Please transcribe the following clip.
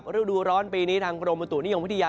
ฤดูร้อนปีนี้ทางกรมบุตุนิยมวิทยา